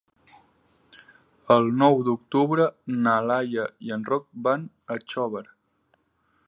El nou d'octubre na Laia i en Roc van a Xóvar.